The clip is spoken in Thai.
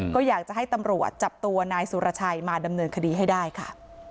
ก็อยากจะให้ตำรวจจับตัวนายสุรชัยมาดำเนินคดีให้ได้ค่ะ